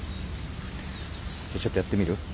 ちょっとやってみる？